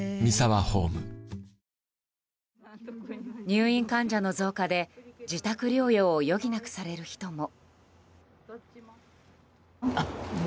入院患者の増加で自宅療養を余儀なくされる人も。